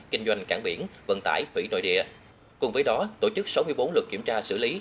kinh doanh cảng biển vận tải thủy nội địa cùng với đó tổ chức sáu mươi bốn lượt kiểm tra xử lý